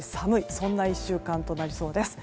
そんな１週間となりそうです。